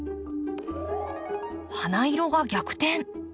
花色が逆転。